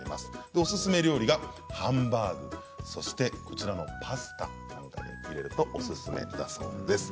おすすめ料理が、ハンバーグそして、パスタなんかに入れるとおすすめだそうです。